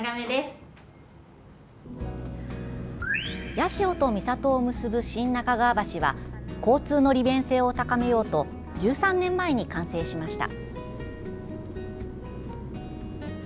八潮と三郷を結ぶ新中川橋は交通の利便性を高めようと１３年前に完成しました。